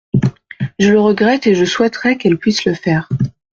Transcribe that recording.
Je le regrette et je souhaiterais qu’elle puisse le faire.